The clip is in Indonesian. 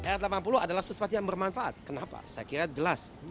ayat delapan puluh adalah sesuatu yang bermanfaat kenapa saya kira jelas